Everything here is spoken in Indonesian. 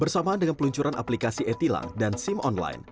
bersamaan dengan peluncuran aplikasi e tilang dan sim online